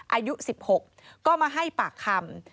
อายุ๑๖ก็มาให้ปากคำ